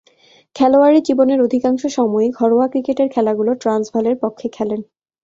খেলোয়াড়ী জীবনের অধিকাংশ সময়ই ঘরোয়া ক্রিকেটের খেলাগুলো ট্রান্সভালের পক্ষে খেলেন।